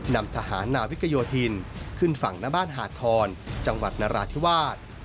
นำทหารนาวิกโยธินขึ้นฝั่งหน้าบ้านหาดทอนจังหวัดนราธิวาส